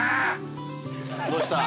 どうした？